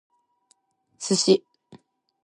Sushi